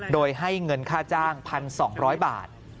โดยให้เงินค่าจ้าง๑๒๐๐บาท